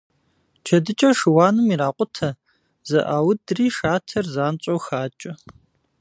Джэдыкӏэ шыуаным иракъутэ, зэӏаудри шатэр занщӏэу хакӏэ.